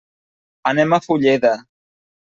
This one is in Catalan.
Anem a Fulleda.